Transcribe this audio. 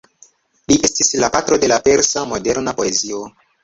Li estis "la patro de la persa moderna poezio".